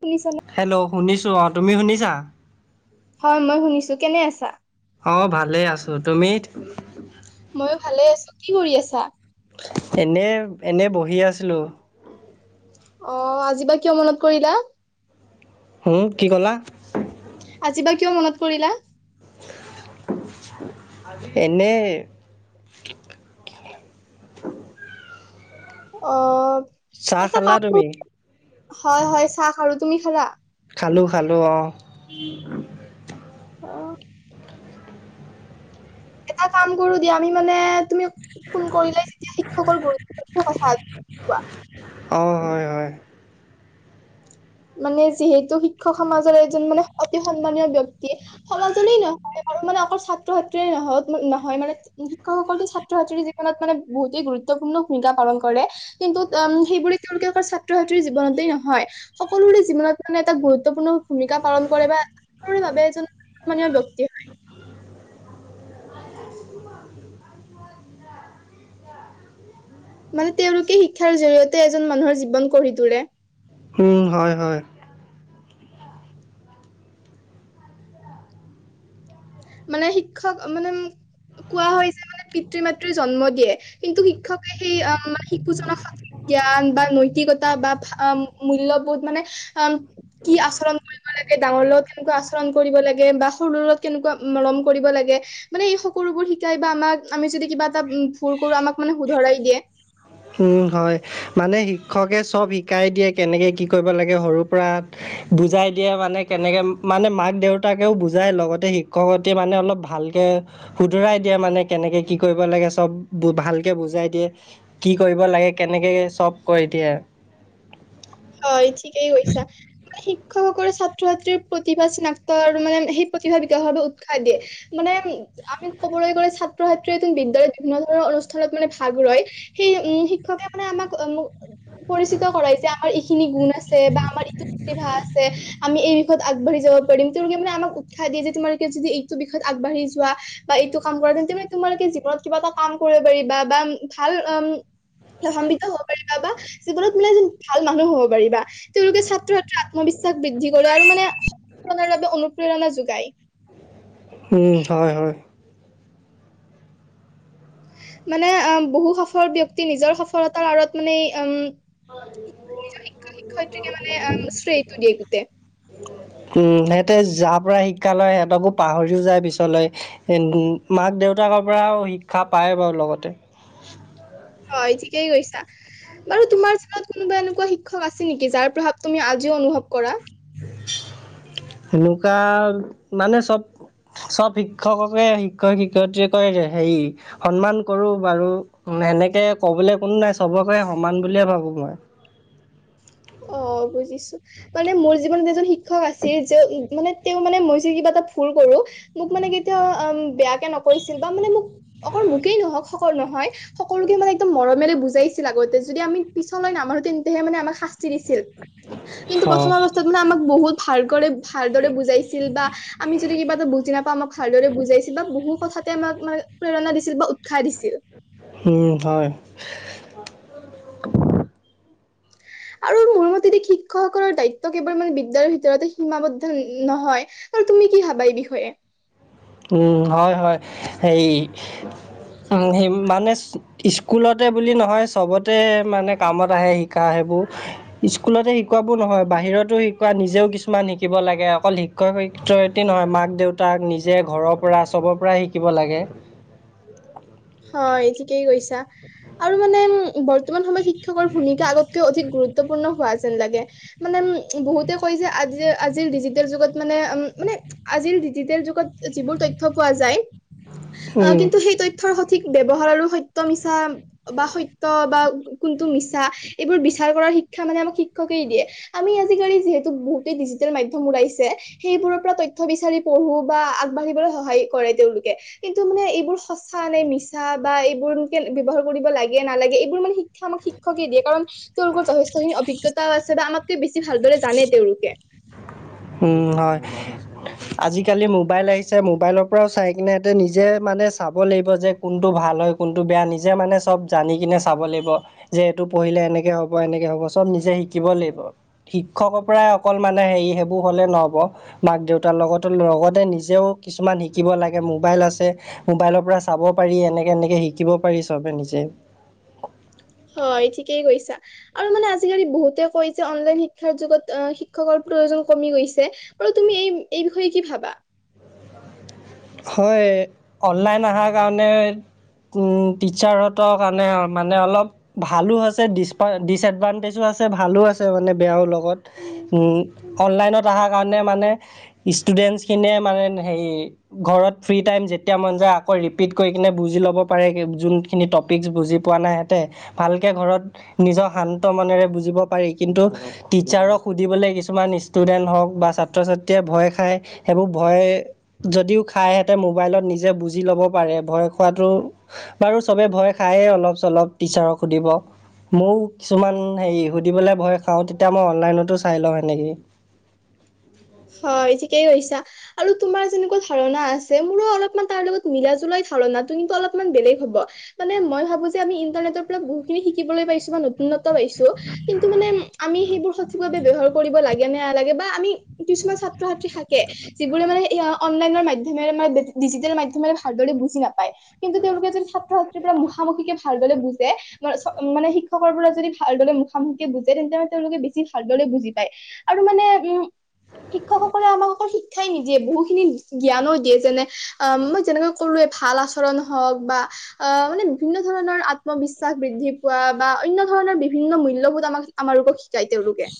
P ছলে শুনিছোঁ অ তুমি শুনিছা হয় মই শুনিছো কেনে আছা অঁ ভালেই আছোঁ তুমি ময়ো ভালে আছো কি কৰি আছা এনে এনে বহি আছিলোঁ অ আজি বা কিয় মনত কৰিলা উম কি কলা আজিবা কিয় মনত কৰিলা এনেই [inaudible] অ চাহ এটা খালা কাম তুমি হয় হয় চাহ খালো আৰু তুমি খালা খালোঁ খালোঁ অহ অ' এটা কাম কৰো দিয়া আমি মানে তুমি ফোন কৰিলে যেতিয়া শিক্ষকৰ গুৰুত্ব কথা কোৱা অঁ হয় হয় মানে যিহেতু শিক্ষক সমাজৰে এজন মানে অতি সন্মানীয় ব্যক্তিয়ে সমাজলে নহয় আৰু মানে অকল ছাত্ৰ ছাত্ৰীয়ে নহক নহয় মানে শিক্ষকসকলো ছাত্ৰ ছাত্ৰীৰ জীৱনত মানে বহুতেই গুৰুত্বপূৰ্ণ ভূমিকা পালন কৰে কিন্তু উম সেইবোৰ তেওঁলোকে অকল ছাত্ৰ ছাত্ৰীৰ জীৱনতেই নহয় সকলোৰে জীৱনত মানে এটা গুৰুত্বপূৰ্ণ ভূমিকা পালন কৰে বা সকলৰে বাবে এজন সন্মানীয় ব্যক্তি হয় [inaudible] [inaudible] মানে তেওঁলোকে শিক্ষাৰ জৰি়য়তে এজন মানুহৰ জীৱন গঢ়ি তোৰে উম হয় হয় মানে শিক্ষক মানে কোৱা হয় যে মানে পিতৃ মাতৃয়ে জন্ম দিয়ে কিন্তু শিক্ষকে সেই মানে শিশুজনক সঠিক জ্ঞান বা নৈতিকতা বা মূল্যবোধ মানে কি আচৰণ কৰিব লাগে ডাঙৰ লগত কেনেকুৱা আচৰণ কৰিব লাগে বা সৰু লগত কেনেকুৱা মৰম কৰিব লাগে মানে এই সকলোবোৰ শিকাই বা আমাক আমি যদি কিবা এটা ভুল কৰো আমাক মানে শুধৰাই ৰাই দিয়ে উম হয় মানে শিক্ষকে চব শিকাই দিয়ে কেনেকে কি কৰিব লাগে সৰুৰ পৰা বুজাই দিয়ে মানে কেনেকে মানে মাক দেউতাকেও বুজাই লগতে শিক্ষকতীয়ে মানে অলপ ভাল কে শুধৰাই দিয়ে মানে কেনেকৈ কি কৰিব লাগে চব ভালকৈ বুজাই দিয়ে কি কৰিব লাগে কেনেকৈ চব কয় এতিয়া হয় ঠিকেই কৈছা শিক্ষকক ছাত্ৰ ছাত্ৰীৰ প্ৰতিভা চিনাক্ত আৰু মানে সেই প্ৰতিভা বিকাশৰ বাবে উৎসাহ দিয়ে মানে আমি ক'বলৈ গ'লে ছাত্ৰ নতুন বিদ্যালয়ত বিভিন্ন ধৰণৰ অনুষ্ঠানত মানে ভাগ লয়। সেই উম শিক্ষকে মানে আমাক পৰিচিত কৰাইছে আমাৰ এইখিনি গুণ আছে বা আমাৰ ইটো প্ৰতিভা আছে আমি এই বিষয়ত আগবাঢ়ি যাব পাৰিম। তেওঁলোকে মানে আমাক উৎসাহ দিয়ে যে তোমালোকে যদি এইটো বিষয়ত আগবাঢ়ি যোৱা বা এইটো কাম কৰা। তেন্তে মানে তোমালোকে জীৱনত কিবা এটা কাম কৰিব পাৰিব বা ভাল উম লাভাম্বিত হ'ব পাৰিবা বা যিকোনো তুমি এজন ভাল মানুহ হ'ব পাৰিবা। তেওঁলোকে ছাত্ৰ ছাত্ৰীৰ আত্মবিশ্বাস বৃদ্ধি কৰে আৰু মানে [unintelligible] অনুপ্ৰেৰণা যোগায়। উম, হয় হয়। মানে অ' বহু সফল ব্যক্তি নিজৰ সফলতাৰ আঁৰত মানে উম [inaudible] শিক্ষয়িত্ৰীকে মানে উম, শ্ৰেয়টো দিয়ে গোটেই উম, সিহঁতে যাৰ পৰা শিক্ষা লয় সিহঁতকো পাহৰিও যায় পিছলৈ। উম-ম মাক দেউতা পৰা শিক্ষা পায় বাৰু লগতে। হয়, ঠিকেই কৈছা। বাৰু তোমাৰ স্কুলত কোনোবা এনেকুৱা শিক্ষক আছে নেকি যাৰ প্ৰভাৱ তুমি আজি আজিও অনুভৱ কৰা? সেনেকুৱা মানে চব চব শিক্ষককে শিক্ষক শিক্ষয়িত্ৰীক হেৰি সন্মান কৰো বাৰু। সেনেকে ক'বলৈ কোনো নাই। চবকে সমান বুলিয়ে ভাবো মই। অ', বুজিছো। মানে মোৰ জীৱনত এজন শিক্ষক আছিল যে মানে তেওঁ মানে মই যে কিবা এটা ভুল কৰো। মোক মানে কেতিয়া বেয়াকে নকৈছিল বা মানে মোক অকল মোকেই নহওঁক সকলোৰে হয় সকলোকে মানে একদম মৰমেৰে বুজাইছিল। আগতে যদি আমি পিছলৈ নামানো তেন্তেহে মানে আমাক শাস্তিয়ে দিছিল। কিন্তু প্ৰথম অৱস্থাত মানে আমাক বহুত ভালকৰে ভালদৰে বুজাইছিল বা আমি যদি কিবা এটা বুজি বুজি নাপাওঁ আমাক ভালদৰে বুজাইছিল বা বহু কথাতে আমাক মানে প্ৰেৰণা দিছিল বা উৎসাহ দিছিল। উম, হয়। [inaudible] আৰু মোৰ মোৰতেদি শিক্ষকসকলৰ দায়িত্ব কেৱল মানে বিদ্যালয়ৰ ভিতৰতে সীমাবদ্ধ নহয়। তুমি কি ভাবা এই বিষয়ে? উম, হয়, হয় হেৰি সেই মানে স্কুলতে বুলি নহয় চবতে মানে কামত আহে শিকায়। বোৰ স্কুলতে শিকোবোৰ নহয়। বাহিৰতো শিকোৱা, নিজেও কিছুমান শিকিব লাগে। অকল শিক্ষক শিক্ষয় শিক্ষয়তী নহয় মাক দেউতাক নিজে ঘৰৰ পৰা চবৰ পৰাই শিকিব লাগে। থিকেই কৈছা আৰু মানে উম বৰ্তমান সময়ত শি শিক্ষকৰ ভূমিকা আগতকৈ অধিক গুৰুত্বপূৰ্ণ হোৱা যেন লাগে। মানে উম বহুতে কৈ যে আজি আজিৰ ডিজিটেল যুগত মানে মানে আজিৰ ডিজিটেল যুগত যিবোৰ তথ্য পোৱা যায়। উম কিন্তু সেই তথ্যৰ সঠিক ব্যৱহাৰ আৰু সত্য মিছা বা সত্য বা কোনটো মিছা এইবোৰ বিচাৰ কৰাৰ শিক শিক্ষা মানে আমাক শিক্ষকেই দিয়ে। আমি আজিকালি যিহেতু বহুতেই ডিজিটেল মাধ্যম ওলইছে। সেইবোৰৰ পৰা তথ্য থ্য বিচাৰি পঢ়ো বা আগবাঢ়িবলৈ সহায় কৰে তেওঁলোকে। কিন্তু মানে এইবোৰ মছা নে মিছা বা এইবোৰ কে ব্যৱহাৰ কৰিব লাগে নালাগে এইবোৰ মানে শি শিক্ষা আমাক শিক্ষকে দিয়ে। কাৰণ তেওঁলোকৰ যথেষ্টখিনি অভিজ্ঞতা আছে বা আমাক বেছি ভালদৰে জানে তেওঁলোকে। উম, হয়। আজিকালি মোবাইল আহিছে। মোবাইলৰ পৰাও চাই কেনে সিহঁতে নিজে মানে চাব লাগিব যে কোনটো ভাল হয় কোনটো বেয়া নিজে মানে চব জানি কিনে চাব লাগিব। যে এইটো পঢ়িলে এনেকে হ'ব এনেকে হ'ব চব নিজে শিকিব লাগিব। শিক্ষকৰ পৰাই অকল মানে হেৰি হে বোৰ হ'লে নহ'ব। মাক দেউতাৰ লগতো লগতে নিজেও কিছুমান শিকিব লাগে মোবাইল আছে। মোবাইলৰ পৰা চাব পাৰি এনেকে এনেকে শিকিব পাৰি চবে নিজে। হয়, ঠিকেই‌ কৈছা। আৰু মানে আজিকালি বহুতে কয় যে অনলাইন শিক্ষা যোগত এ শিক্ষকে প্ৰোজন কমি গৈছে বাৰ তুমি এই এই বিষয়ে কি ভাবা হয় অনলাইন অহাৰ কাৰণে উম টিচাৰ হতৰ কাৰণে মানে অলপ ভালো হৈছে ডিচএডভানটেজো আছে ভালো আছে মানে বেয়াও লগত অনলাইনত অহাৰ কাৰণে মানে ষ্টুডেণ্টছখিনিয়ে মানে হেৰি ঘৰত ফ্ৰী টাইম যেতিয়া মন যায় আকৌ ৰিপিট কৰি কিনে বুজি ল'ব পাৰে যোনখিনি টপিক্ছ বুজি পোৱা নাই হেঁতে ভালকে ঘৰত নিজৰ শান্ত মনেৰে বুজিব পাৰি কিন্তু টিচাৰক সুধিবলৈ কিছুমান ষ্টুডেণ্ট হওক বা ছাত্ৰ ছাত্ৰীয়ে ভয় খায় সেইবোৰ ভয় যদিও খাইহেঁতে মোবাইলত নিজে বুজি ল'ব পাৰে ভয় খোৱাতো বাৰু চবে ভয় খাই অলপ চলপ টিচাৰক সুধিব মোক কিছুমান হেৰি সুধিবলৈ ভয় খাওঁ তেতিয়া মই অনলাইনতো চাই লওঁ সেনেকি [inaudible] হয় ঠিকেই কৰিছা আৰু তোমাৰ যেনেকুৱা ধাৰণা আছে মোৰো অলপমান তাৰ লগত মিলা জুলাই ধাৰণা তুমিতো অলপমান বেলেগ মানে মই ভাবো যে আমি ইন্টাৰনেটৰ পৰা বহু খিনি শিকিবলৈ পাইছো নতুনত্ব পাইছো কিন্তু মানে আমি সেইবোৰ সঠিকভাৱে ব্য্ৱহাৰ কৰিব লাগে নে নালাগে বা আমি কিছুমান ছাত্ৰ ছাত্ৰী থাকে যিবোৰে মানে অনলাইনৰ মাধ্মেৰে ডিজিটেল মাধ্যমেৰে ভালদৰে বুজি নাপায় কিন্তু তেওঁলোকে যদি ছাত্ৰ ছাত্ৰীৰ পৰা মুখামুখিকে ভালদলে বুজে মানে শিক্ষকৰ পৰা যদি ভালদৰে মুখামুখি বুজে তেন্তে মানে তেওঁলোকে বেছি ভালদৰে বুজি পায় আৰু মানে উ ঠাই নিদিয়ে বহুখিনি জ্ঞানো দিয়ে যেনে অ মই যেনেকুৱা কৰো ভাল আচৰণ হওক বা অ মানে বিভিন্ন ধৰণৰ আত্মবিশ্বাস বৃদ্ধি পোৱা বা অনন্য়ণ ধৰণৰ বিভিন্ন মূল্যবোধ আমাক আমাৰ ৰোগক শিকাই তেওঁ ৰোগে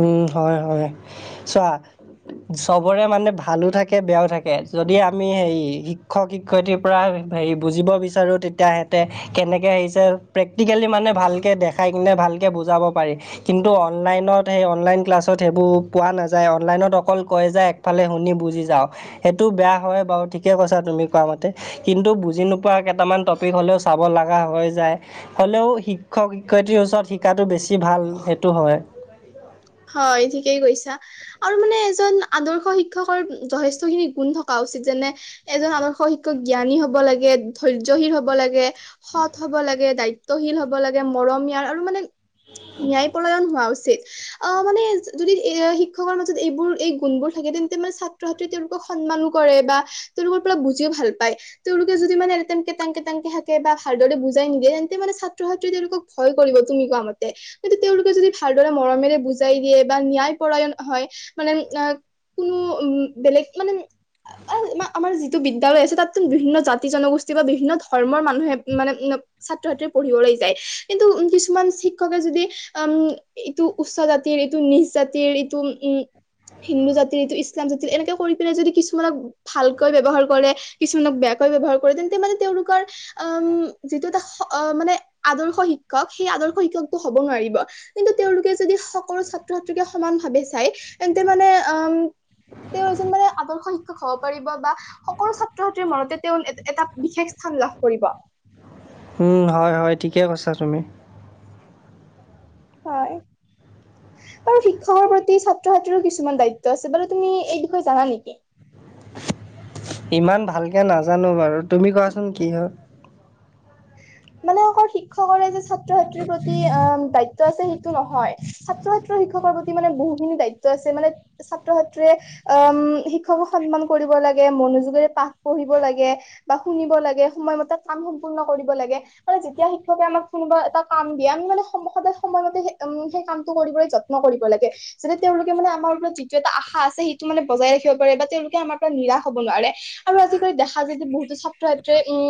উম হয় হয় চোৱা চবৰে মানে ভালো থাকে বেয়াও থাকে যদি আমি হে শিক্ষক শিক্ষয়িত্ৰী পৰা ব বিচো তেতিয়া কেনেকে প্ৰেক্টিকেলি মানে ভালকে দেখ কি ভালকে বুজাব পাৰি কিন্তু অনলাইনত সেই অনলাইন ক্লাছত সেইবোৰ পোৱা নাযায় অনলাইনত অকল কয় যে একফালে শুনি বুজি যাওঁ সেইটো বেয়া হয় বাৰু ঠিকে কৈছা তুমি কোৱা মতে কিন্তু বুজি নোপোৱা কেইটামান টপিক হ'লেও চাব লগা হয় হৈ যায় হ'লেও শিক্ষক শিক্ষয়িত্ৰীৰ ওচৰত শিকাটো বেছি ভাল সেইটো হয় হয় ঠিকেই গৈছা আৰু মানে এজন আদৰ্শ শিক্ষকৰ যথেষ্ট খিনি গুণ থকাও উচিত যেনে এজন আদৰ্শ শিক্ষক জ্ঞানী হব লাগে ধৈৰ্যশীল হব লাগে সৎ হ'ব লাগে দায়িত্ব তহিল হব লাগে মৰমীয়াৰ আৰু মানে ন্যায় পলয়ন হোৱা উচিত অ মানে যদি এ শিক্ষকৰ মাজত এইবোৰ এই গুণবোৰ থাকে তেন্তে মানে ছাত্ৰ ছাত্ৰীয়ে তেওঁলোকক সন্মানো কৰে কৰে বা তেওঁলোকৰ পৰা বুজিও ভাল পায় তেওঁলোকে যদি মানে একেংকে থাকে বা ভালদৰে বুজ নিদিয়ে তেন্তে মানে ছাত্ৰ ছাত্ৰী তেওঁলোকক ভয় কৰিব তুমি কোৱা মতে কিন্তু তেওঁলোকে যদি ভালদৰে মৰমেৰে বুজি বুজাই দিয়ে বা হয় মানে কোনো উ বেলেগ মানে আমাৰ যিটো বিদ্যালয় আছে তাত বিভিন্ন জাতি জনগোষ্ঠী বা বিভিন্ন ধৰ্মৰ মানুহে মানে ছাত্ৰ ছাত্ৰী পঢ়িবলৈ যায় কিন্তু কিছুমান শিক্ষকে যদি উম এইটো উচ্চ জ জাতিৰ এইটো নিজ জাতিৰ এইটো উম হিন্দু জাতিৰটো ইছলাম জাতিৰ এনেকে কৰি পিনে যদি কিছুমানক ভালকৈ ব্যৱহাৰ কৰে কিছুমানক বেয় ব্যৱহাৰ কৰে তেন্তে মানে তেওঁলোকৰ উম যিটো এটা মানে আদৰ্শ শিক্ষক সেই আদৰ্শ শিক্ষকতটো হব নোৱাৰিব কিন্তু তেওঁলোকে যদি সো ছাত্ৰ ছাত্ৰীকে সমান ভাৱে চাই তেন্তে মানে উম তেওঁ এজন মানে আদৰ্শ শ খাব পাৰিব বা সকলো ছাত্ৰ ছাত্ৰীৰ মনতে তেওঁ এটা বিশেষ স্থান লাভ কৰিব উম, হয় হয় ঠিকে কৈছা তুমি হয় বাৰু শিক্ষকৰ প্ৰতি ছাত্ৰ ছাত্ৰীৰো কিছুমান দায়িত্ব আছে বাৰু তুমি এই বিষয়ে জানা নেকি ইমান ভালকে নাজানো বাৰু তুমি কোৱাচোন কি হয় [inaudible] মানে অকল শিক্ষকৰে যে ছাত্ৰ ছাত্ৰীৰ প্ৰতি আহ দায়িত্ব আছে সেইটো নহয় ছাত্ৰ ছাত্ৰ শিক্ষকৰ প্ৰতি মানে বহুখিনি দায়িত্ব আছে মানে ছাত্ৰ ছাত্ৰীয়ে অ শিক্ষকোৰ সন্মান কৰিব লাগে মনোযোগেৰে পাঠ পঢ়িব লাগে বা শুনিব লাগে সময়মতে কাম সম্পূৰ্ণ কৰিব লাগে মানে যেতিয়া শিক্ষকে আমাক কোনোবা এটা কাম দিয়ে আমি মানে সদায় সময়মতে উম সেই কামটো কৰিবলৈ যত্ন কৰিব লাগে যেনে তেওঁলোকে মানে আমাৰ ওপৰত যিটো এটা আশা আছে সেইটো মানে বজাই ৰাখিব পাৰে বা তেওঁলোকে আমাৰ পৰা নি হ'ব নোৱাৰে আৰু আজিকালি দেখা যায় যে বহুতো ছাত্ৰ ছাত্ৰে উম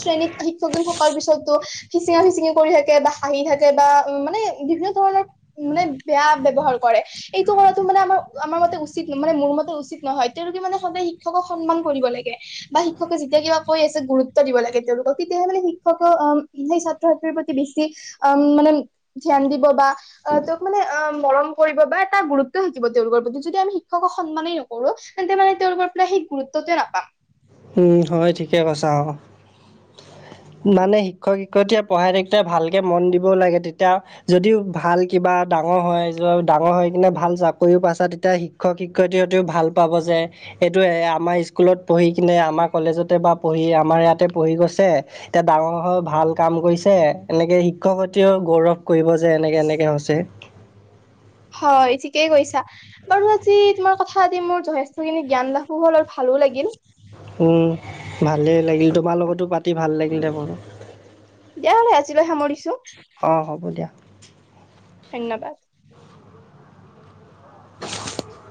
শ্ৰেণীত শ থকাৰ পিছতো ফিচিঙা ফিচিঙি কৰি থাকে বা হাঁহি থাকে বা উ মানে বিভিন্ন ধৰণৰ মানে বেয়া ব্যৱহাৰ কৰে এইটো কৰাো মানে আমাৰ আমাৰ মতে উচিত মানে মোৰ মতে উচিত নহয় তেওঁলোকে মানে সদায় শিক্ষকক সন্মান কৰিব লাগে বা শিক্ষকে যেতিয়া কিবা কৈ আছে গুৰুত্ব দিব লাগে তেওঁলোকক তেতিয়াহে মানে শিক্ষকে আহ সেই ছাত্ৰ ছাত্ৰীৰ প্ৰতি বেছি উ মানে ধ্যান দিব বা আহ তেওঁক মানে অ মৰম কৰিব বা এটা গুৰুত্ব থিকিব তেওঁলোকৰ প্ৰতি যদি আমি শিক্ষকক সন্মানেই নকৰো তেন্তে মানে তেওঁৰ ওপৰ পৰা সেই গুৰুত্বটো নাপাম হয় ঠিকে কৈছা আৰু মানে শিক্ষক শিক্ষয়িতীয়ে পঢ়াই থাকো ভালকে মন দিবও লাগে তেতিয়া যদিও ভাল কিবা এটা ডাঙৰ হয় য ডাঙৰ হৈ কিনে ভাল চাকৰিও পাইছা তেতিয়া শিক্ষক শিক্ষয়িত্ৰী হতেও ভাল পাব যে এইটোৱে আমাৰ স্কুলত পঢ়ি কিনে আমাৰ কলেজতে বা পঢ়ি আমাৰ ইয়াতে পঢ়ি গৈছে এতিয়া ডাঙৰ হৈ ভাল কাম কৰিছে এনেকে শিক্ষকত্ৰীয়েও গৌৰৱ কৰিব যে এনেকে এনেকে হৈছে হয় ঠিকেই কৈছা বাৰু আজি তোমাৰ কথা আ মোৰ যথেষ্ট খিনি জ্ঞান লাখো হলল [inaudible] ভালেই লাগিল তোমাৰ লগতো পাতি ভাল লাগিলে বাৰু। অ, দিয়া হ'লে আজিলৈ সামৰিছো হ'ব দিয়া। ধন্যবাদ। [inaudible]